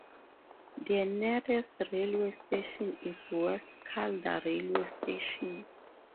The nearest railway station is West Calder railway station.